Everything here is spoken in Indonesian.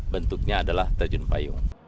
bentuknya adalah terjun payung